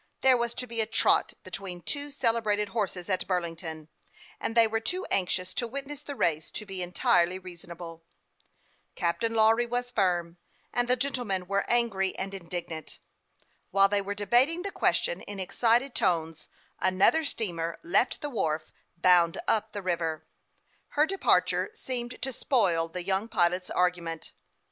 There was to be a "trot" between two celebrated horses, at Burlington, and they were too anxious to witness the race to be entirely rea sonable. Captain Lawry was firm, and the gentlemen were angry and indignant. While they were debating the question in excited tones, another steamer left the wharf, bound up the river. Her departure seemed to spoil the young pilot's argument.